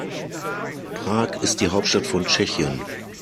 Prag ist die Hauptstadt von Tschechien.